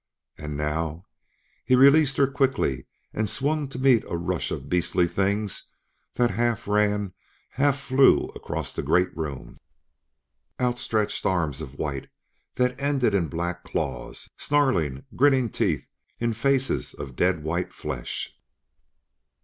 And now " He released her quickly and swung to meet a rush of beastly things that half ran, half flew across the great room. Outstretched arms of white that ended in black claws! Snarling, grinning teeth in faces of dead white flesh!